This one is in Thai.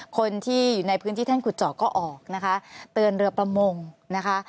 คนที่อยู่ในพื้นที่แท่นขุดเจาะก็ออกนะคะเตือนเรือประมงนะคะ